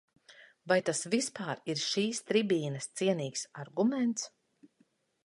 Vai tas vispār ir šīs tribīnes cienīgs arguments?